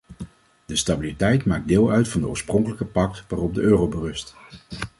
De stabiliteit maakt deel uit van de oorspronkelijke pact waarop de euro berust.